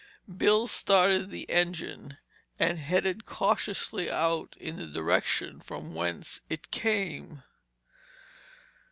Bill started the engine and headed cautiously out in the direction from whence it came.